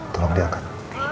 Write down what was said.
tolong dia akan